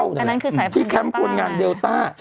อันนั้นคือสายพันธุ์เดลต้าที่แคมป์คนงานเดลต้า